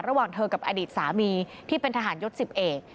ระหว่างเธอกับอดีตสามีที่เป็นทหารยศ๑๐เอก